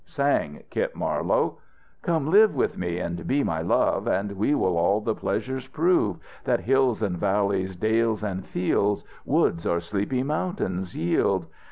Sang Kit Marlowe: "Come live with me and be my love, And we will all the pleasures prove That hills and valleys, dales and fields, Woods or sleepy mountain yields.